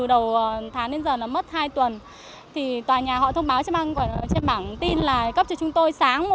đầu tháng đến giờ nó mất hai tuần thì tòa nhà họ thông báo trên bảng tin là cấp cho chúng tôi sáng